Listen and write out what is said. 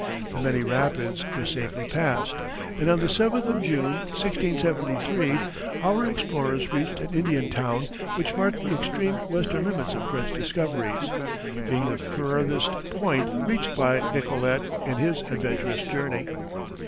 The many rapids were safely passed, and on the 7th of June, 1673, our explorers reached an Indian town which marked the extreme western limits of French discoveries, being the farthest point reached by Nicollet in his adventurous journey.